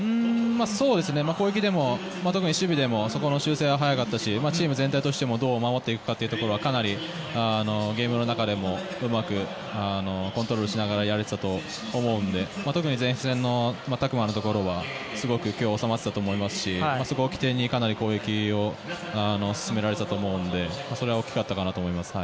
攻撃でも守備でもそこの修正は早かったしチーム全体としてもどう守っていくかはかなりゲームの中でもうまくコントロールしながらやれてたと思うので特に前線の拓磨のところはすごく今日収まってたと思いますしあそこを起点にかなり攻撃を進められていたと思うのでそれは大きかったと思います。